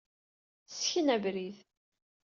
Ssken abrid.